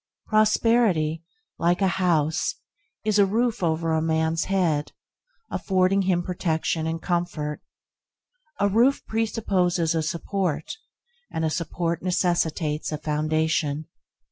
Prosperity, like a house, is a roof over a man's head, affording him protection and comfort. A roof presupposes a support, and a support necessitates a foundation.